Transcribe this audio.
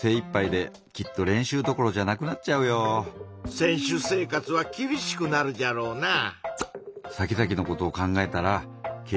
選手生活はきびしくなるじゃろうなぁ。